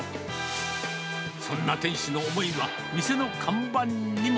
そんな店主の思いは、店の看板にも。